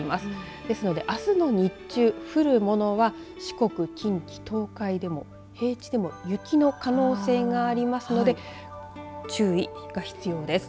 ですので、あすの日中降るものは四国、近畿、東海でも平地でも雪の可能性がありますので注意が必要です。